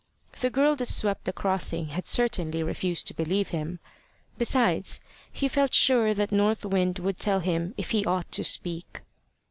The girl that swept the crossing had certainly refused to believe him. Besides, he felt sure that North Wind would tell him if he ought to speak.